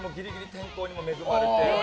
天候にも恵まれて。